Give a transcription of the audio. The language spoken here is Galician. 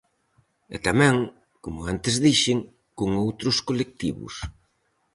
E tamén, como antes dixen, con outros colectivos.